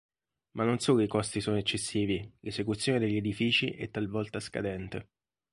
Ma non solo i costi sono eccessivi, l'esecuzione degli edifici è talvolta scadente.